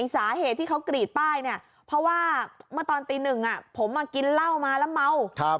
สาเหตุที่เขากรีดป้ายเนี่ยเพราะว่าเมื่อตอนตีหนึ่งผมมากินเหล้ามาแล้วเมา